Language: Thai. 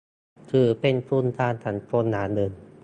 ถือเป็นทุนทางสังคมอย่างหนึ่ง